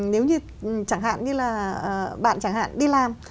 nếu như chẳng hạn như là bạn chẳng hạn đi làm